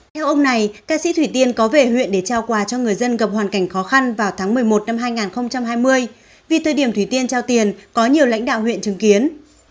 theo ông này ca sĩ thủy tiên có về huyện để trao quà cho người dân gặp hoàn cảnh khó khăn vào tháng một mươi một năm hai nghìn hai mươi vì thời điểm thủy tiên trao tiền có nhiều lãnh đạo huyện chứng kiến